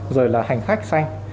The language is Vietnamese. rồi là hành khách xanh